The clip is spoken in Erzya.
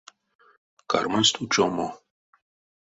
Кармасть учомо.